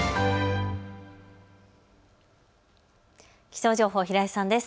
気象情報、平井さんです。